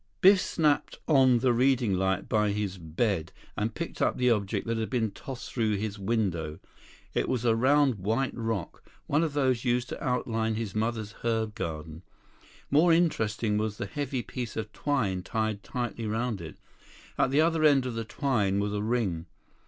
Biff snapped on the reading light by his bed and picked up the object that had been tossed through his window. It was a round white rock, one of those used to outline his mother's herb garden. More interesting was the heavy piece of twine tied tightly around it. At the other end of the twine was a ring.